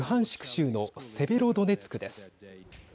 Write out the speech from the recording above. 州のセベロドネツクです。